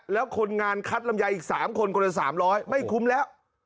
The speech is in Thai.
แล้วคนงานคัดรำยายอีกสามคนคนละสามร้อยไม่คุ้มแล้ว